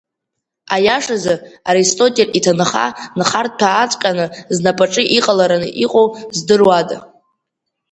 Аиашазы, Аристотель иҭынха нхарҭәааҵәҟьаны знапаҿы иҟалараны иҟоу здыруада.